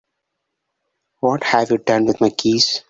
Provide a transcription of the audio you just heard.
What have you done with my keys?